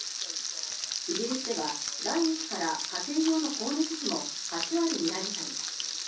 イギリスでは来月から家庭用の光熱費も８割値上げされます。